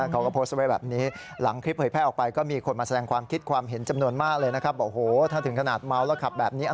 อย่าขับเลยดีกว่านะครับ